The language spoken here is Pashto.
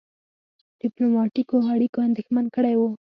ډيپلوماټیکو اړیکو اندېښمن کړی وو.